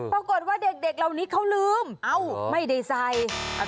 ปรากฏว่าเด็กคราวนี้เขาลืมไม่ไดไซด์